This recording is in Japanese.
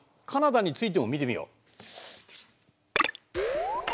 カナダについても見てみよう。